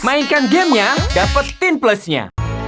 mainkan gamenya dapetin plusnya